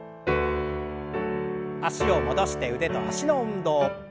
脚を戻して腕と脚の運動。